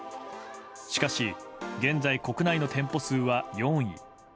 しかし、現在国内の店舗数は４位。